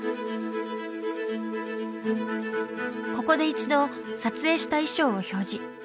ここで一度撮影した衣装を表示。